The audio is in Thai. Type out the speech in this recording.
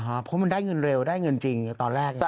เพราะมันได้เงินเร็วได้เงินจริงตอนแรก